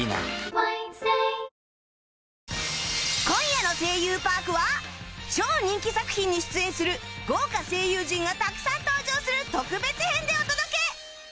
今夜の『声優パーク』は超人気作品に出演する豪華声優陣がたくさん登場する特別編でお届け！